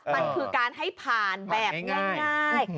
มันคือการให้ผ่านแบบง่าย